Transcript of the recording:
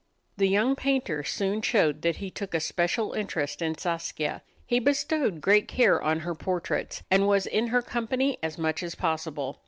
The young painter soon showed that he took a special interest in Saskia. He bestowed great care on her portraits, and was in her company as much as possible.